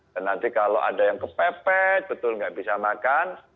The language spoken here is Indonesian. dan nanti kalau ada yang kepepet betul nggak bisa makan